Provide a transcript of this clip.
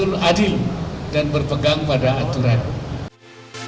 untuk tidak melakukan hal hal yang berbeda